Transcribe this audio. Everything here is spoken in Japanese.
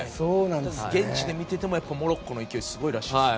現地で見ててもモロッコの勢いすごいらしいですね。